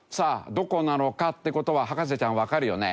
どこなのかって事は博士ちゃんわかるよね？